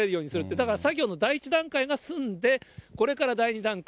だから、作業の第１段階が済んで、これから第２段階。